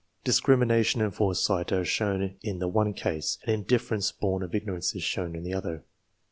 Discrimination and foresight are shown in the one case, an indifference born of ignorance is shown in the other.